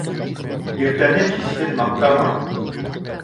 Иртәне кисһеҙ маҡтама.